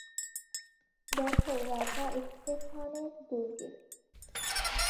দেখো, রাজা স্টেফানের দূর্গে।